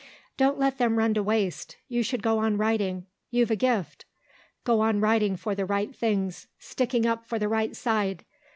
"Don't let them run to waste. You should go on writing; you've a gift. Go on writing for the right things, sticking up for the right side.